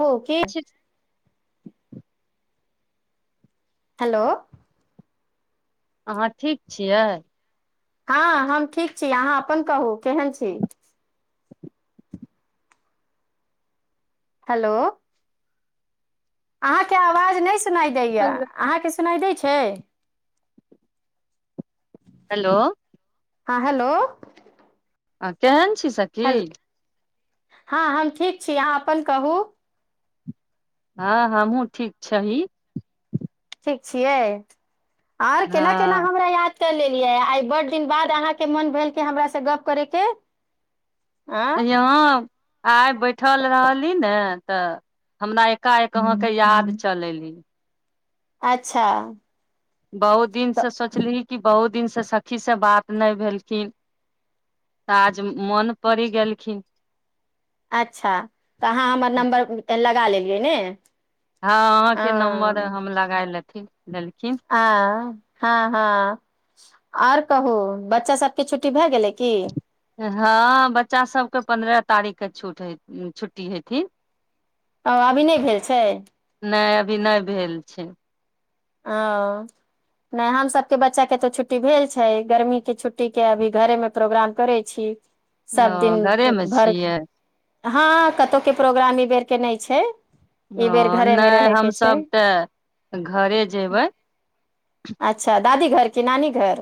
ओ की छी हेलो अहाँ ठीक छियै हँ हम ठीक छी अहाँ अपन कहू केहन छी हेलो अहाँके आवाज नहि नहि दैया हेलो अहाँके सुनाइ दै छै हेलो हँ हेलो आ केन छी सखी हेल हँ हम ठीक छी अहाँ अपन कहू हँ हमहूँ ठीक छही ठीक छियै आर केना केना हँ हमरा याद त लेलियै आइ बड दिन बाद अहाँके मन भेल कि हमरा से गप करे के अ यहाँ आइ बैठल रहली ने तऽ हमरा एकाएक अहाँके याद चल एली अच्छा बहुत दिन तऽ से सोचली कि बहुत दिन से सखी से बात नहि भेलखिन त आज मोन पड़ि गेलखिन अच्छा तऽ अहाँ हमर नम्बर लगा लेली ने हँ अहााँ अ के नम्बर हम लगा लेत ठीक आ हँ हँ आओर कहू बच्चा सब के छुट्टी भए गेलै की ओ हँ बच्चा सबके पन्द्रह तारीखके छ छुट्टी हेथिन हँ अभी नहि भेल छै नहि अभी नहि भेल छै ओ नहि हमसभके बच्चाके तऽ छुट्टी भेल छै गर्मीके छुट्टीके अभी घरेमे प्रोग्राम करै छी ओ सभ दिन घरेमे भरि छियै हँ कतहु के प्रोग्राम ई बेरके नहि छै ह ई बेर घरेमे नहि रहैके छै हमसभ तऽ घरे जेबै अच्छा दादी घर के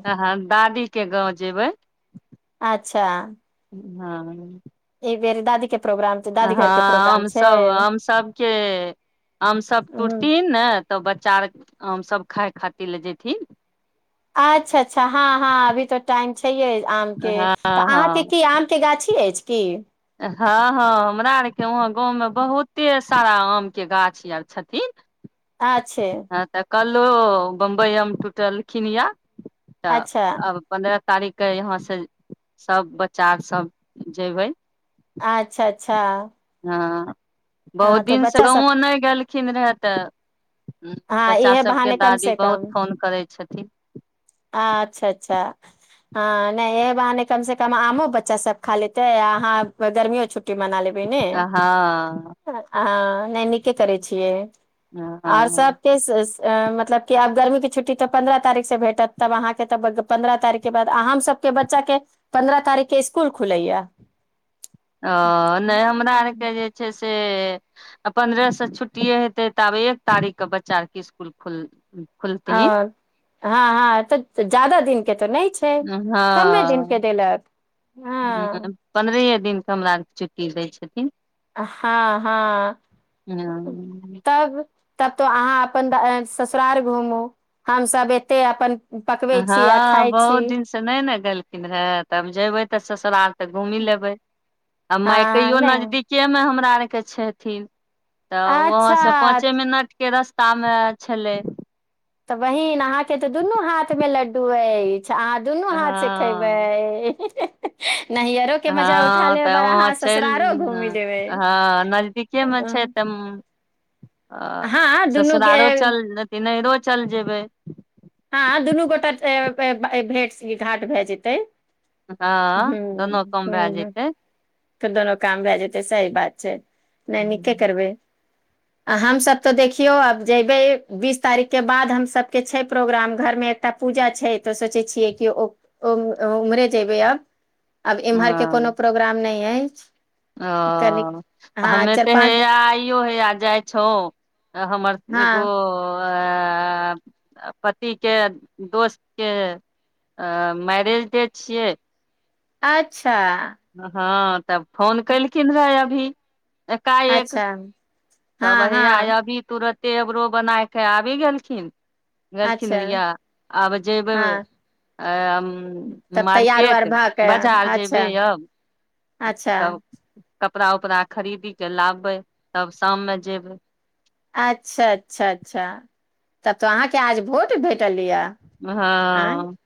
तहन दादी के गाँव जेबै अच्छा हँ बेर दादी के प्रोग्राम छै हँ आमसभ आमसभके आमसभ हूँ टुटथिन ने तऽ बच्चा आर आम सभ खााय खातिर लए जेयथिन अच्छा अच्छा हँ हँ अभी त टाइम छै आम के हँ तऽ अहाँके हँ की आम के गाछी अछि ठीक हँ हँ हमरा आरके वहाँ गाँवमे बहुते सारा आमके गाछ आर छथिन आ छै हँ तऽ कल्हो बम्बइम टूटलखिन य तऽ अच्छा आ अपने तारीख के यहाँ से सब बच्चा आर सब जेबै अच्छा अच्छा हँ बहुत हँ तऽ दिन से बच्चा सब गो नहि गेल खिन रह तऽ हँ बच्चा इहे सबके बहाने कम दादी से बहुत कम फोन करै छथिन अच्छा अच्छा ह नहि ए ब कम से कम आमो बच्चा सभ खा लेतै अहाँ गर्मियो छुट छुट्टी मना लेबै ने हँ हँ नहि नीके करै छियै आओर सबके अ मतलब कि आब गर्मी के छुट्टी तऽ पन्द्रह तारीख से भेटत तब अहाँके तब पन्द्रह तारीखके बाद हमसभके बच्चाके पन्द्रह तारीखके इसकुल खुलैया ओ नहि हमरा आरके जे छै से से पन्द्रह से छुट्टीे हेते त आब एक तारीख के बच्चा आर के स्सकूल खोल आ हँ हँ तऽ ज्यादा दिनके तऽ नहि छै कमे दिनके देलक ह हँ पन्द्रह ह दिननक हमरा आर के छुट्टी दै छथिन हँ हँ हँ तब तब तो अहाँ अपन ससुराल घूमू हमसभ एते अपन पकबै छी आ हँ खाइ छी बहुत दिनसँ नहि ने गेलखिन रहे तब जयबै त ससुराल त घूमी लेबे आ हँ मायकयो नहि नजदीके में हमरा कके छथिन तऽ वहाँ से अच्छा पाँचे मिनट के रास्ता मे छलै तऽ बहिन अहाँ कें त दुनू हाथ में लड्डू तू ऐ अच्छा अहाँ दुनू हाथ से हँ खयबै ह हँ तऽ वहाँ चलि ससुरारो घूमि लेबै हँ नजदीके में छै तऽ हँ दुनू ससुरालो के चल हेतैक नहिरो चल जेबै हँ दुनू गोटा भेट घाट भए जेतै हँ ह दुनू काम भए ह जेतै तऽ दुनू काम भए जेतै सही बात छै नहि नीके हँ करबै आ हमसभ तऽ देखियौ आब जयबै बीस तारीखके बाद हमसभके छै प्रोग्राम घरमे एकटा पूजा छै तऽ सोचै छियै कि ओ उम्हरे जयबै आब अब एम्हर के कोनो प्रोग्राम न ए अछि ओ हँ हमे चारि तऽ है पाँच आ हय जाइ छौ हमर हँ एगो पतिके दोस्तके मैरेज डे छियै अ्छा हँ तब फोन केलखिन रहय अभी एकाएक अच्छा हँ तब हँ हैया अभी तुरत एबरो बनाय के आबि गेलखिन अच्छा गेलखिनरिया आब जयबै हँ तब तैयार उआर मार्केट भऽ के बाजार अच्छा जयबै अब अच्छा तब कपड़ा उपड़ा खरीदी क लाबबै तब शाममे जेबै अच्छा अच्छा अच्छा तब तो अहांके आज भोज भेटल यऽ हँ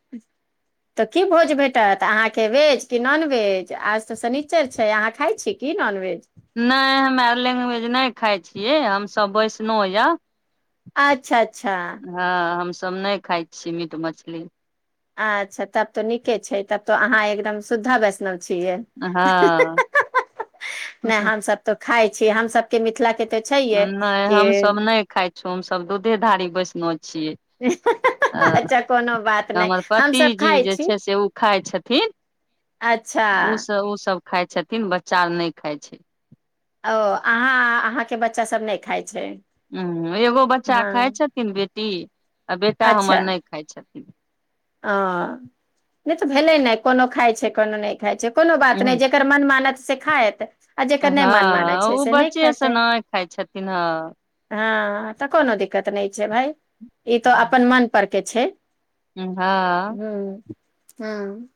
तऽ की भोज भेटत अहाँके भेज कि नॉनवेज आज तऽ शनिचर छै अहाँ खाइत छी कि नॉनवेज नहि हमरा लैंग्वेज नहि खाइ छियै हमसभ वैष्णो यए अच्छा अच्छा सब नहि खाइ छी मीट मछली अच्छा तब तो नीके छै तब तो अहाँ एकदम शद्धा वैष्णव छियै हँ नहि हमसब तऽ खाय छी हम सभके मिथिला के नहि हमसभ नहि खाइ छौ हमसभ दूधे दारी बैसल न छ अच्छा कोनो बात नहि हमर हमसभ पतिजी खाइ जे छी छै से ओ खाइ छथिन अच्छा ओसभ ओसभ खााय छथिन बच्चा आर नहि खाइ छै ओ अहाँ अहाँके बच्चा सब नहि खााय छै ह एगो बच्चा हँ खाइ छथिन बेटी आ बेटा हमर नहि खाइ छथिन ह नहि तऽ भेलै नहि कोनो खाइ छै कोनो नहि छै कोनो बात नहि जेकर मन मानस सिखायत आ नहि हँ ओ बच्चेसँ नहि खाइ छथिन हँ ह तऽ कोनो दिक्कत नहि छै भााय ई तो अपनन मन पर के छै हँ हँ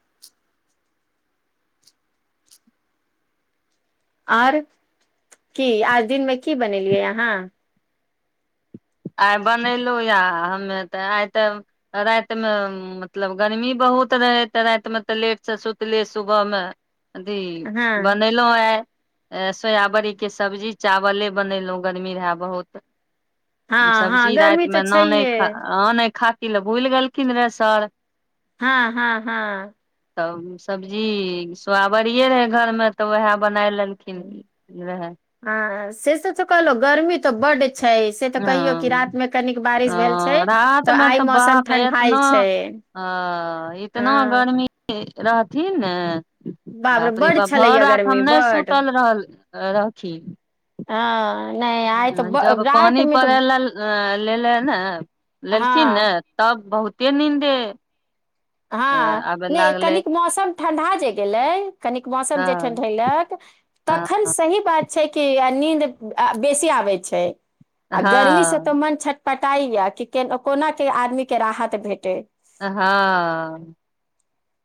आओर की आज दिनमे की बनेलियै यहाँ आइ बनयेलहुँ या हमे तऽ आइ तऽ रातिमे मतलब गर्मी बहुत रहै तऽ रातिमे तऽ लेटसँ सुतली सुबहमे अथी हँ बनेलहु है सोयाबड़ीके सब्जी चावले बनयेलहुँ गरमी रहए बहुत हँ हँ सब्जी गर्मी तऽ रातिमे नान छैहे खा आ नहि खा कि ल बूल गल कि नहि रह साल हँ हँ हँ तब सब्जी सोआबरे रहै घरमे तऽ ओएह ब ह आ श से तऽ कहल गर्मी तऽ बडे से तऽ कहियौ हँ रमे क ओ बारिश भेल छै रात तऽ मे आइ मौसम बाप ठणढा एतना छै अ इतना गर्मी रहथिन ने बाप रे बड्ड बाप घर छलैया रात हम गर्मी नहि बड्ड सुतल रह हँ नहि आइ तऽ रहथिन ब- जब पानि रातिमे पड़ै तऽ लए लेले ने लेलखिन ने हँ तब बहुते नीन्दे हँ आबे नहि लागलै कनिक मौसम ठणढा जे गेलै कन मौसम हँ जे ठढेलक तखन हँ सही बात छै कि नीद बेसी आबै छै आ गर्मीसँ तऽ हँ मन छ कटाई या कि कोना के आदमी के राहत भेटे हँ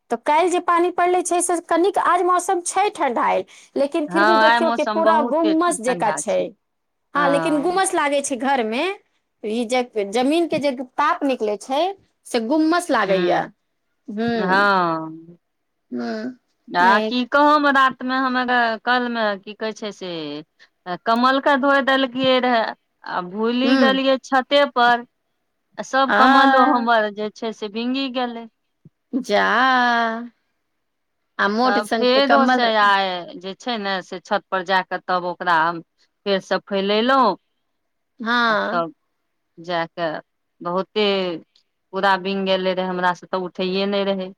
तऽ काल्हि जे पानि पड़लै छै से कनिक आज मौसम छै ठं्ढा आल लेकिन हँ फिर भी आइ देखियो कि मौसम पूरा बहुते गुममस जेक ठण्डा छै हँ लेकिन गुमस लागे छै घर मे जमीन के जे ताप निकले छै से गुम्मस लागै या हू ह [unintelligible] हँ आ की कह म मे हग कलमे की कहै छै से कमलके धोए देलिकै रहे आ भुली हूं गेलियै छ पेपर आ सब कमलो हमर जे से भीङंगी गेलै जा आ त मोट सन फेदोस कम्मल आ जे छै ने से छत पर जा क तब ओकरा फेरसँ फैलेलहुँ हां जा कऽ बहुते पूरा बिंग गेललै रहै हमरासँ तऽ उठैए नहि रहै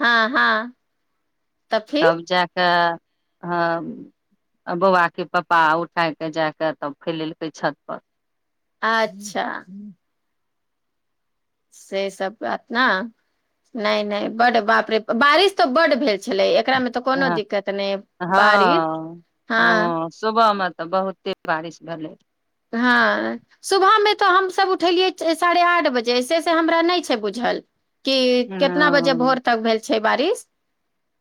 हँ हां तब जा कऽ हँ बौआबाके पप्पा उठाय कऽ जाय कऽ तब फैलेलकै छतपर अच्छा से सब बात ने नहि नहि बड बाप रे बारिश तऽ बड भेल छलै एकरामे तऽ कोनो ह दिक्कत नहि बारिश हँ हँ ह सुबह म तऽ बहुते बारिश भेलै हँ सुबहमे तऽ हमसभ उठेलियै साढ़े आठ बजेस से हमरा नहि छै बुझल के केतना बजे ओ भोर तक भेल छै छे बारीस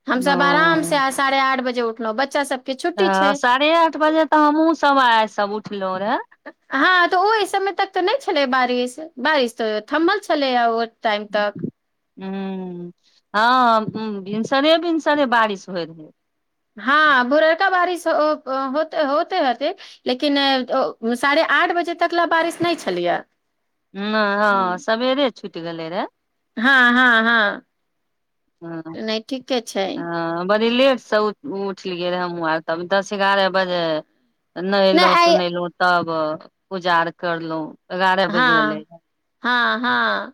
हम सब आराम ओ से साढ़े आठ बजे उठलहु बच्चा सब त साढ़े आठ बजे तऽ हमहुँ सब आय सब ठ लौ रेहे हँ तऽ ओहि समय तक तऽ नहि छलै बारिश बारिश तऽ थम्ल छलै ओ टाइम तक ह हँ भिनसरे भिनसरे बारिश होइ रहै हँ भररका बारिशे होते हेते लेकिन साढ़े आठ बजे तक लए बारिश नहि छलैए ह हँ सवेरे चुट क लरा हँ हँ हँ ह नहि ठ ठीक छै बड़ी लेट से उठलियै रहे हमहुँ आर तब दस एगारह बजे नहिल नहि आइ सुनल तऽ पुजार करलहुं हँ हँ हँ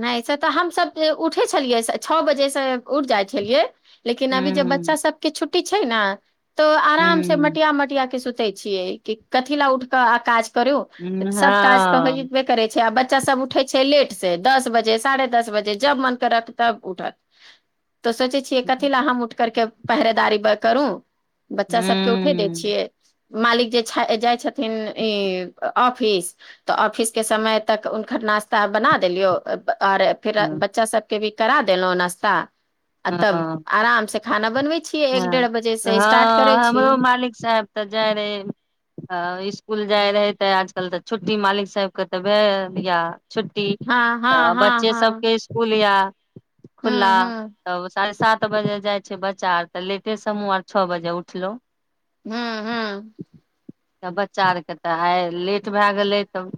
नहि से तऽ हमसब उठै छलियै छओ बजेसँ उठि जाइ छलियै लेकिन अभ जब बच्चा ह सबके छुट्टी छै ने तो आराम से मटिया मटिया के सुत े छियै कि कथी लए उठ क आकाश कर सब काज त ह हइ करै छै आ ब बच्चा सब उठै छै लेट दस बजे साढ़े दस बजे जब मन करत तब उठत तऽ सोचै छियै हँ कथी लए हम उठकरके पहिरेदारी ब करू बच्चा सबके उठे दै हूँ छियै मालिक जे जाइ छथिन ई ऑफिस तऽ ऑफिस के समय तक हुनकर नाास्ता बनात देलियो आऔर फिर हँ बच्चा सबके भी करा देलहुँं नाश्ता आ तब आराम से खाना बनबै छियै ह एक डेढ़ बजे से स्टार्ट करै हँ छी हमरो मालिक साहब तऽ जाय रहे इसकुल जाय रहय ते आजकल तऽ छुट्टी मालिक सबके तऽ भेल दा छुट्टी हँ हँ तऽ हँ बच्चे हँ सबके स्कूल या हूँ खुला हूँ त साढ़े सात बजल जाइ छै बचार तऽ लेटे समूह आर छ बजे उठलो हँ हँ तऽ बच्चा आरकेँ तऽ आइ लेट भए गेलै तब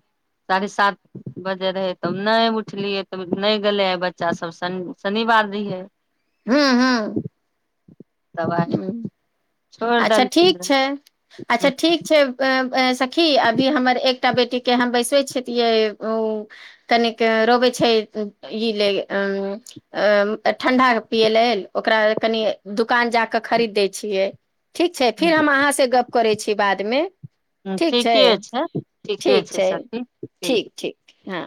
साढ़े सात बजे रहै तब नहि उठलियै तऽ नहि गेलै आइ बच्चासभ शनि शनिवार रहियै तब आइ हुँ छोड़ि अच्छा देलखिन ठीक छै अच्छा ठीक रहे छै सखी क अभी हमर एक बेी के बैसो ठंडािय ओकरा के खरीद दै छियै ठीक छै फिर हम अहाँ से गप करै छी बादमे हुँ ठीके छै ठीके छै सथी ठीक छै ठीक हँ